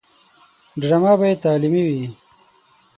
ډرامه باید تعلیمي وي